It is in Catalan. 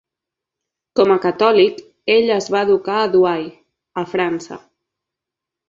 Com a catòlic, ell es va educar a Douai, a França.